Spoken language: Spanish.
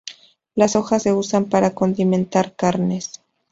Las hojas se usan para condimentar carnes.